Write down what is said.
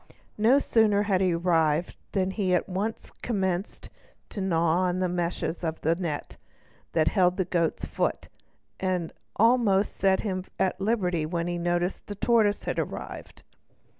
No sooner had he arrived than he at once commenced to gnaw the meshes of the net that held the goat's foot and had almost set him at liberty when the tortoise arrived.